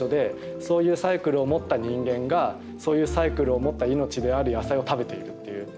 そういうサイクルを持った人間がそういうサイクルを持った命である野菜を食べているっていう。